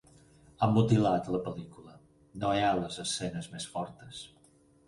Han mutilat la pel·lícula: no hi ha les escenes més fortes.